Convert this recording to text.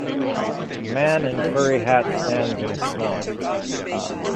Man in furry hat stands in snow